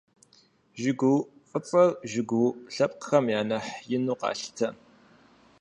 ЖыгыуӀу фӀыцӀэр, жыгыуӀу лъэпкъхэм я нэхъ ину къалъытэ.